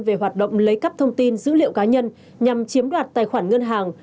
về hoạt động lấy cắp thông tin dữ liệu cá nhân nhằm chiếm đoạt tài khoản ngân hàng